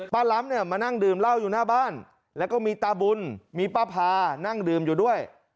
ล้ำเนี่ยมานั่งดื่มเหล้าอยู่หน้าบ้านแล้วก็มีตาบุญมีป้าพานั่งดื่มอยู่ด้วย